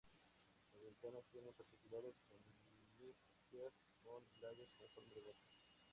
Las ventanas tienen particulares cornisas con claves con forma de gota.